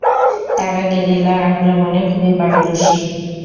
তারা গেরিলা আক্রমণে খুবই পারদর্শী।